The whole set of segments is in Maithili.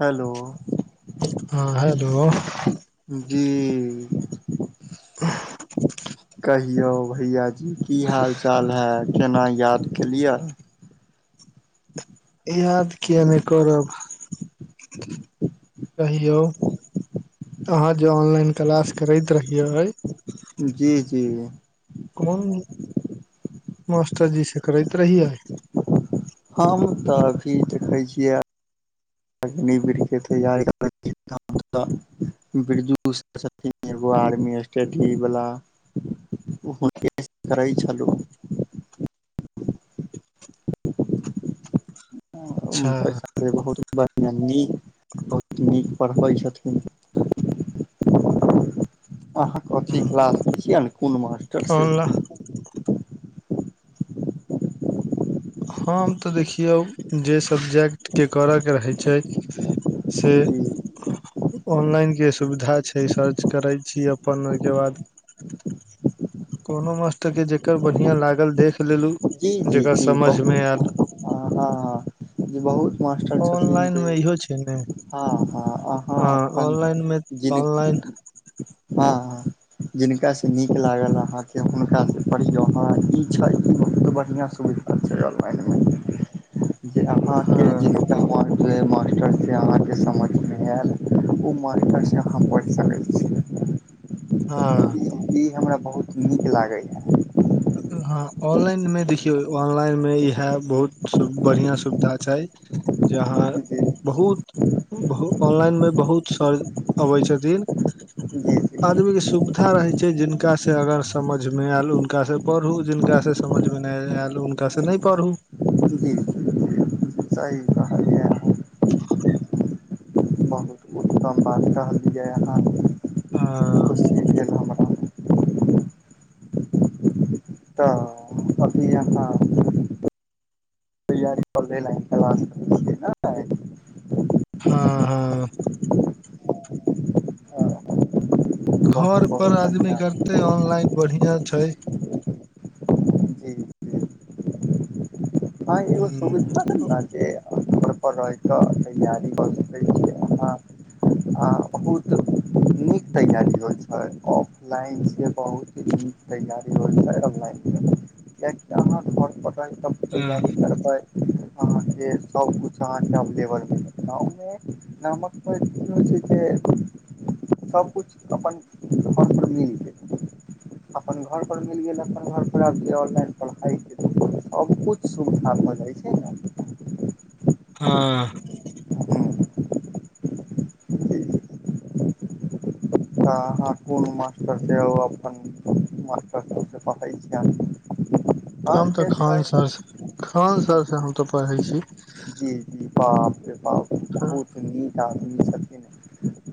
हेलो हँ हेलो। जी। कहियौ भैय जी, की हाल चाल है केना याद के लियै। याद किया नैय करब। कहियौ आहाँ जे ऑनलाइन क्लास करैत रहियै। जी- जी। कोन मास्टरजी से करैत रहियै। हम तऽ अभी देखै छियै। [unintelligible] बिरजू छथिन एगो आर्मी स्टडी वला। [unintelligible] अच्छा [unintelligible] बहुत बढ़ियां नीक बहुत नीक पड़बै छथिन। आहाँ कथी क्लास में छियै कोन मास्टर से? ऑनलाइन हम तऽ देखियौ जे सबजेक्ट के करैयके रहै छैय से जी ऑनलाइन के सुविधा छै, सर्च करै छी अपन ओय के बाद कोनो मास्टर के जकर बढ़ियां लागल देख लेलु जेकर समझ मे एल। ह- हँ- हँ, जे बहुत मास्टर छथिन ऑनलाइन जे, मे इहो छै ने हँ -हँ आहाँ अपन ऑनलाइन मे ऑनलाइन जिनगी हँ- हँ। जिनका सँ नीक लागल आहाँ के हुनका सँ पढ़ियौ, हं ई छैय बहुत बढ़ियां सुविधा। अच्छा ऑनलाइन मे जे आहाँके हँ जिनगी तऽ वाँके मास्टर से आहाँ के समझ मे एल। ओ मास्टर सँ आहाँ पैढ़ सकै छी। हँ। ई हमरा बहुत नीक लागैया। हँ ऑनलाइन मे देखियौ ऑनलाइन मे इएह बहुत सुब बढ़ियां सुविधा छैय जे आहाँ जी बहुत बहुत ऑनलाइन मे बहुत सर अबैत छथिन। जी। जी आदमी के सुविधा रहेै छैय जिनका से अगर समझ मे एल उनका से पड़हु, जिनका सँ समझ मे नैय एल हुनका सँ नैय पड़हु। जी। सही कहलियै। अहाँ कम बात कहलियै अहाँ। आ। खुशी भेल हमरा तऽ अभी आहाँ। तैयारी कर के लेल क्लास करै छियै नै। हँ- हँ। ने घर बहुत पर बहुत आदमी बढ़िआँ करते ऑनलाइन बढ़िया छै। जी जी हँ एगो सुविधा जे। धर पर रहिके तैयारी कऽ सके छियै आहां। हॉं बहुत नीक तैयारी होइ छाय। लाइन से बहुत ही नीक तैयारी हो छै ऑलाइन। कियकि अहाँ त घर पर ह तैयारी करबै। जे सब कुछ अहॉं हम के लेबर देब [unintelligible] नामक [unintelligible] छै जे? सब कुछ अपन [unintelligible] मिल जेतै। अपन घर पर मिल गेल, अपन घर पर आब जे ऑनलाइन पढ़ाइ [unintelligible] अब ओ सुबिधा भऽ जाइ छै ने। हँ। तऽ अहाँ कोन मास्टर सैएब अपन मासटर सबसँ पढ़ै छियैन? हम तऽ खान सर सऽ, खान सर सऽ हम तऽ परहै छी। जी जी बापरे बाप हँ बहुत नीक आदमी छथिन,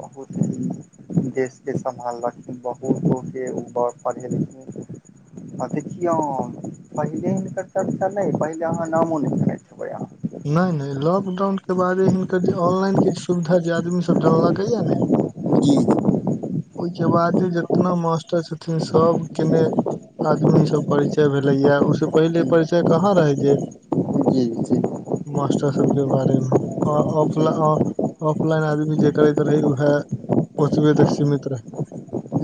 बहुत ही देश के सम्हालखिन बहुतो के ब परहेलखिन। आ देखियौन, पहिले हिनकर चर्चा नैय, पहिले अहाँ नामो नैय सुरैत हेबै, अहाँ नैय नैय लॉकडाउन के बादे हिनकर जे ऑनलाइन के सुविधा जे आदमी सब जानलकै या ने अहाँ जी ओई के बादे जितना मास्टर छथिन सब केने आदमी स परिचय भेलैयैऽ, उसे पहिले परिचय कहाँ रहै जे जी-जी। मास्टर सब के बारे में, आ जी जी ऑफला ऑफलाइन आदमी जे करैत रहै उहैऽ, ओतबे तक सीमित रहै।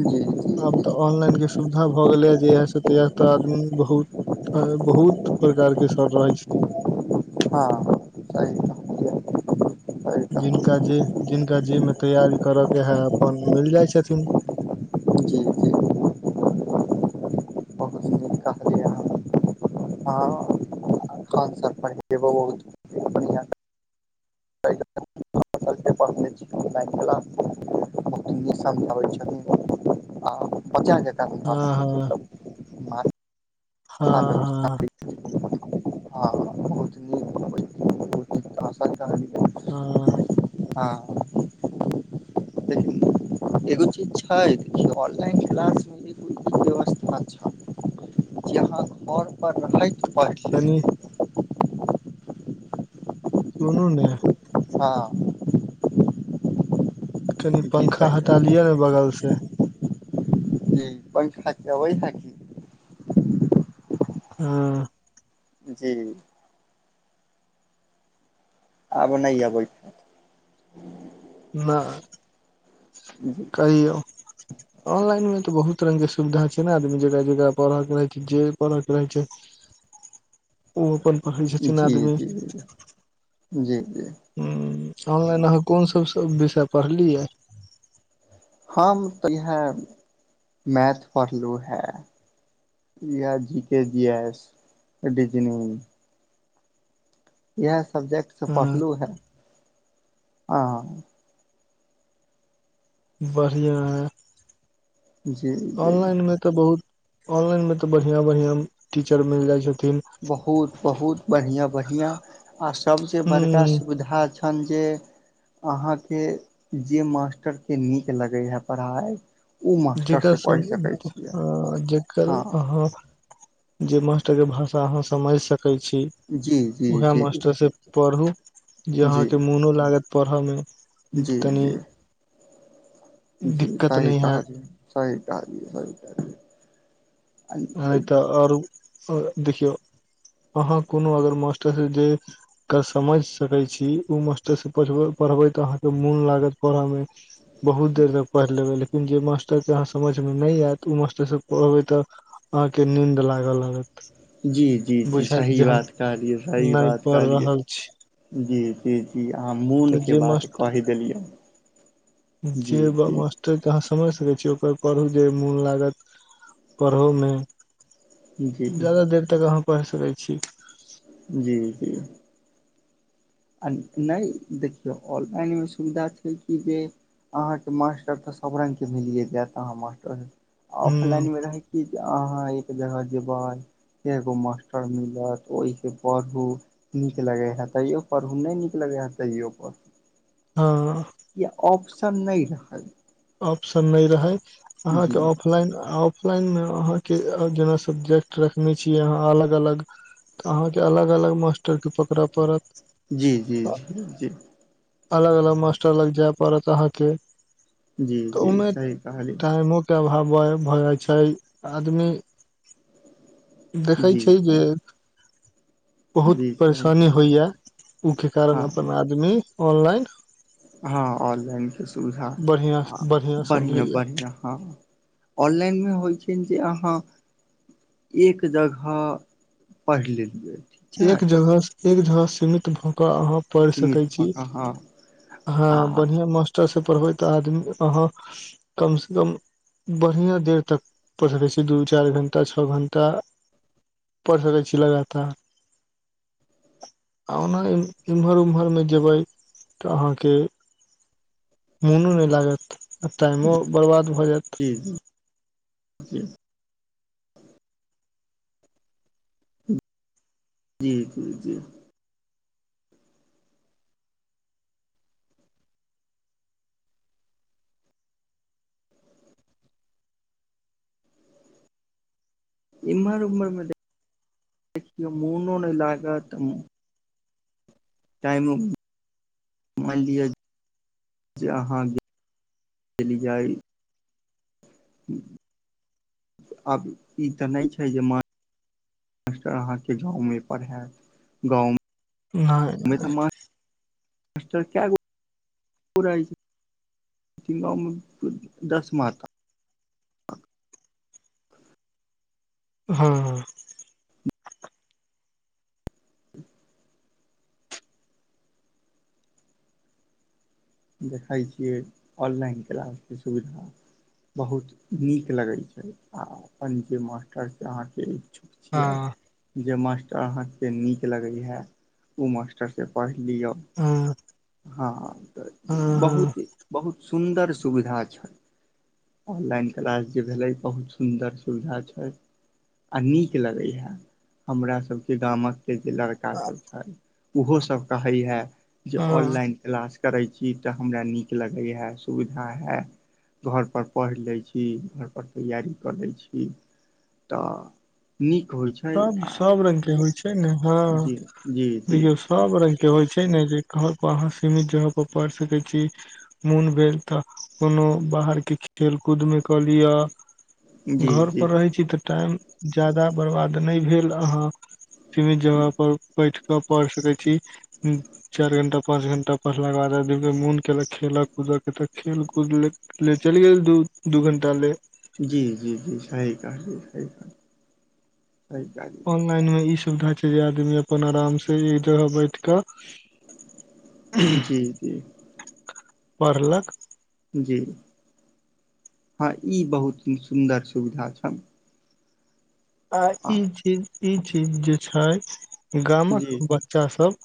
जी-जी आब तऽ ऑनलाइन के सुविधा भऽ गेलैयाऽ जहिया स तहिया तऽ आदमी बहुत त बहुत प्रकार के सर रहे छथि हँ। सही कहलियैऽ। जिनका जे जिनका जे में तैयारी करऽ के है अपन मिल जाय छथिन। जी जी बहुत नीक कहलियै कौन सप परहै जे बहुत। बढ़िआँ पर्हने छी किताब बला। जे समझाबै छथिन, हाॅं बच्चा जेकाँ हँ बुझाबै छथिन। माथामे हँ-हँ। हँ बहुत नीक अबै बहुत नीक आशा कहलियै हँ हँ लेकिन एगो चीज छै ऑनलाईन क्लास में जे कोई-कोई बेबस् अच्छा। जेहां [unintelligible] घर पर रहैत पैइर्ह तनी सुनू ने हँ। कनि जी पंखा कहियौ हटा लिअ ने बगल से। जी पंखा चवई है कि? हँ। जी। आब नैय आबैत हैत। नह उं हूँ कहियौ ऑनलाइन मे तऽ बहुत रंग के सुविधा छै ने आदमी जेकरा -जेकरा पढ़य के रहै छै जे पढ़ैय के रहै छै। ओ अपन पढ़ै छथिन जी आदमी। जी जी जी हुँ ऑनलाइन अहाँ कोन सब विषय पढ़लियै? हम तऽ इहे मेएथ पढ़लू हेँ। इहे जीके जी एस रिजिरिंग। इएहे सब्जेक्ट सँ हँ पढ़लहुँ हेँ आहाँ। बढ़िया अइ जी जी ऑनलाइन मे। तऽ बहुत ऑनलाइन मे तऽ बढ़ियां -बढ़ियां टीचर मिल जाइ छथिन? बहुत -बहुत बढ़िआँ बढ़िआँ आ सबसँ बड़का हूँ सुविधा छै। अनजे अहाँके जे मास्टरके नीक लगै हेए पढ़ाइ। ओ जेकर मास्टरसँ सम पढ़ि सकै छियै जेकर हँ आहाँ। जे मास्टर के भाषा आहाँ समैझ सकै छी जी जी उएह जी मास्टर सँ। पढ़ू जे जी आहाँके मोनो लागत पढ़ऽ मे। जी तनी जी जी दिक्कत सही नहि हैत कहलिय सही कहलिय सी कहलियै। नहि कहलियै तऽ आरो देखियौ आहाँ कोनो अगर मास्टरसँ जे? के समझ सकै छी ओ मास्टरसँ पढ़ब-पढ़बै तऽ अहाँके मोन लागत पढ़ऽ मे। बहुत देर तक पइड़ लेबै लेकिन जे मास्टरके आहाँ के समझ मे ने एत ओ मास्टर सँ पढ़बै तऽ। आहाँके नींन्द लागऽ लागत। जी, जी, जी बुझायत सही जे हम बात कहलियै सही नहि बात पढ़ कहलियै। रहल छी जी, जी, जी आहाँ तऽ मोनके जे बात कैह देलियै। जी जेबा जी मस्त तब तऽ आहाँ समैझ सकै छीयै ओकर पढ़ू जे मोन लागत पढ़ऽमे। जी ज्यादा देर तक आहाँ पैढ़ सकै छी। जी, जी आ नै देखियौ ऑनलाइनमे सुविधा छै कि जे। अहाँके मास्टर तऽ सब रंगके मिलियए जेएत आहाँ मास्टर ह ऑफलाइनमे रहैत। क जे आहाँ एक जगह के बाद? एगो मास्टर मिलत ओहि सँ पढ़ू नीक लगे हे तैयो। पढू नै नीक लगेै हेँ तइयो पड़ू। हँ। या ऑप्शन नै रहल। ऑप्शन नै रहे आहाँके जी ऑफलाइन ऑफ। लाइन मे अहाँके जेना सब्जेक्ट रखने छियै आहाँ अलग -अलग। तऽ आहाँके अलग- अलग मास्टर के पकड़य पड़त। जी, जी, जी, जी अलग- अलग मास्टर लग जाय पड़त अहाँके जी तऽ जी ओयमे सही कहली टाइमो। [unintelligible] भाव भऽ जाय छै आदमी देखै जी छै जे। जी बहुत जी सही परेशानी कहली होइए ओके कारण हँ अपन आदमी ऑनलाइन। हँ ऑनलाइन के सुविधा बढ़िया आ बढ़िया बढ़िआँ समझैया बढ़िआँ हँ। ऑनलाइन मे होइ छै जे अहाँ एक जगह पढ़ि लेलियै। ठीक छै एक जगह, एक जगह सीमित भ क अहाँ पैढ़ सीमित सकै भऽ छी कऽ अहाँ आहा आ बढ़िआं मास्टरसँ पढ़बै तऽ आदमी अहाँ कम से कम बढ़िआँ देर तक पढ़सकै छी दू चैर घण्टा छ घण्टा। पढ सकै छी लगातार। आ ओना एम्हर ओम्हरमे जेबै तऽ अहाँके मोनो नै लागत आ टाइमो बर्बाद भऽ जायत। जी [unintelligible] जी, गुरुजी। इमहर उमहर मे देखियो मुनो नै लागत। टाइमो मैंन लिअ जे, अहाँ दिल्ली जाय। आब ई तऽ नै छै जे मान मास्टर अहाँके गाँव मे परहेत गाँवमे नाय। मास्टर कीयेगो पुराई तीनम दस माथा हँ। [inaudible] देखै छियै ऑनलाइन क्लासके सुविधा। बहुत नीक लगै छै आ अपन जे मास्टर से अहाँके छिये। हँ जे मास्टर अहाँके नीक लगै हे ओ मास्टरसँ पढ़ि लियौ। हाँ द ह - ह। बहुते बहुत सुन्दर सुविधा छै। ऑनलाइन क्लास जे भेलै बहुत सुन्दर सुविधा छै। आ नीक लगै हे, हमरा सब के गामक के जे लड़क का सब छे उहो सब कहे हे जे हँ ऑनलाइन क्लास करे छी। इ तऽ हमरा नीक लगै हे सुविधा हे। घरपर पढ़ि लै छी घर पर तैयारी कऽ लै छी। तऽ नीक होइ छै। सब आ सब रंग के होइ छै ने ह जी जी जी देखियौ सब रंग के होइ छै ने जे घर पर अहाँ सीमित जगह पर पढ़ सकै छी। मुन भेल तऽ कोनो बाहर किछ खेलकूदमे कऽ लिअ। जी जी घरपर रहै छी तऽ टाइम ज्यादा बरबाद नै भेल अहाँ सीमित जगह पर बैठ कऽ पढ़ सकैत छी चैर घंटा पाँच घंटा पढ़लाके बाद आदमीे के मोन केलक खेलऽ कूद के तऽ खेलु - कुदु ले ले चलि गेल दू - दू घण्टा ले। जी - जी - जी सही कहलिए, सही कहलिए, सही कह ऑनलाइनमे इ सुविधा छै जे आदमी अपन आरामसँ एक जगह बैठ क [unintelligible] जी - जी। पढ़लक जी हँ ई बहुत सुन्दर सुविधा छल आ ई चीज ई चीज जे छै गामक जी बच्चा सब।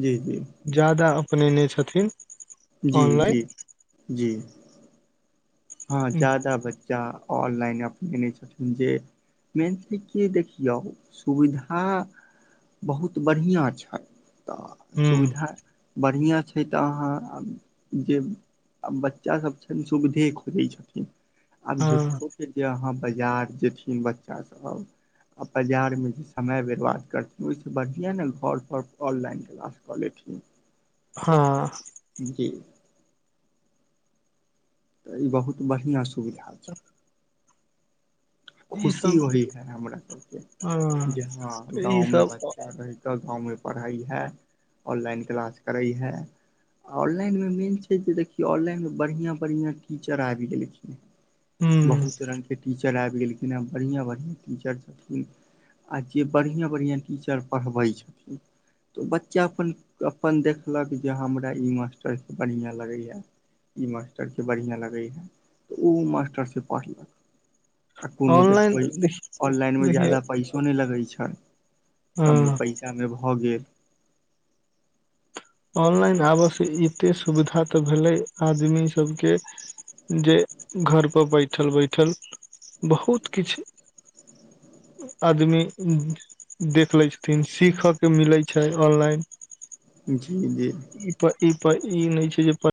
जी, जी ज्यादा अपनेने छथिन। जी, ऑनलाइन जी, जी हँ ज्यादा बच्चा ऑनलाइन अपनेने छथिन जे। मेन [unintelligible] के देखियौ सुविधा। बहुत बढ़िआँ छै तऽ हूँ सुविधा बढ़िआँ छै। छै तऽ अहाँ जे बच्चा सब छैन सुविधे खोजै छथिन। आब हँ झूठो के जे आहाँ बाजार जेथिन बच्चा सब। आ बजारमे जे समय बेर्बाद करथिन ओहिसँ बढ़िआँ ने घर पर ऑनलाइन क्लास कऽ लेथिन। हँ। जी तऽ ई बहुत बढ़िआँ सुविधा। छै ई खुशी सब वही है हमरा सबके हँ जे हँ ई गाँंव मे सब बच्चा रहैत। गाँवमे पढ़ै है ऑनलाइन क्लास करै है। ऑनलाइन मे मेन छै जे देखियौ ऑनलाइनमे बढ़िआँ बढ़िआँ टीचड़ आइब गेलखिन। हूँ बहुत रंग के टीचर आइब गेलखिनेँ हेँ बढ़िआँ बढ़िआँ टीचर छथिन। आ जे बढ़िआँ बढ़िआँ टीचर पढ़बै छथिन। तऽ बच्चा अपन अपन देखलक जे हमरा ई मास्टरके बढ़िआँ लगैया। ई मास्टरके बढ़िआँ लगै हइ तऽ ओ मास्टर से पढ़लक। आ कोनो ऑनलाइन देखबै देख ऑनलाइन मे देखियौ ज्यादा पैसो नै लगै छै। कम हँ पैसा मे भऽ गेल। ऑनलाइन आबऽ से एते सुविधा तऽ भेलेै आदमी सबके। जे घर पर बैठल- बैठल बहुत किछ। आदमी उ। देखलै छथिन सीखयके मिलै छै ऑनलाइन। जी, जी ई पर ई पर इ नै छै जे पर।